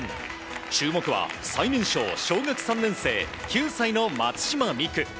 注目は最年少、小学３年生９歳の松島美空。